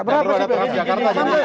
berapa sih bca